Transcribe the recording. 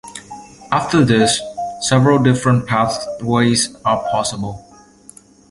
After this, several different pathways are possible.